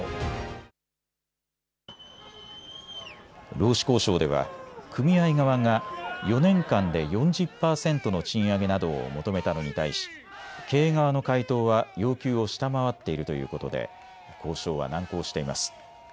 労使交渉では組合側が４年間で４０％の賃上げなどを求めたのに対し経営側の回答は要求を下回っているということで交渉は難航しています。